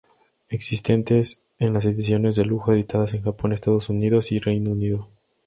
Existentes en las ediciones de lujo editadas en Japón, Estados Unidos y Reino Unido.